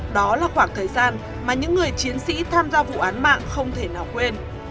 đó là khoảng thời gian mà những người chiến sĩ tham gia vụ án mạng không thể nào quên